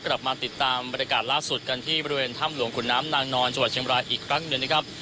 กลับมาติดตามบรรยากาศล่าสุดกันที่บริเวณถ้ำหลวงขุนน้ำนางนอนจังหวัดเชียงบรายอีกครั้งหนึ่งนะครับ